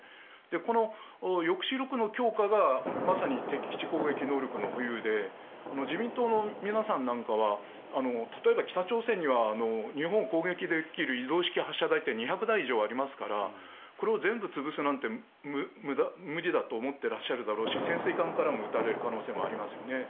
この抑止力の強化がまさに敵基地攻撃能力の保有で自民党の皆さんなんかは例えば北朝鮮には日本を攻撃できる移動式発射台というのが２００台以上ありますからこれを全部潰すなんて無理だと思っていらっしゃるだろうし潜水艦からも撃たれる可能性がありますよね。